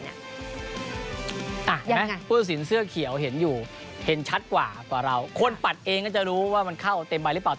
เห็นไหมผู้ตัดสินเสื้อเขียวเห็นอยู่เห็นชัดกว่าเราคนปัดเองก็จะรู้ว่ามันเข้าเต็มใบหรือเปล่า